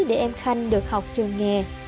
để em khanh được học trường nghề